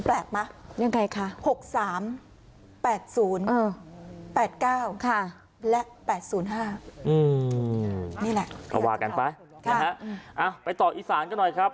แปลกไหมยังไงคะ๖๓๘๐๘๙และ๘๐๕นี่แหละก็ว่ากันไปนะฮะไปต่ออีสานกันหน่อยครับ